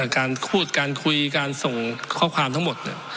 การพูดการคุยการส่งข้อความทั้งหมด